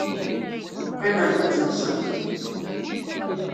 Qqimemt ad tensemt.